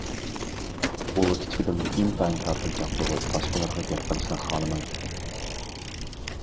ئۇ كىچىكىدىنلا ئىنتايىن تارتىنچاق بولۇپ، باشقىلارغا گەپ قىلىشنى خالىمايدىكەن.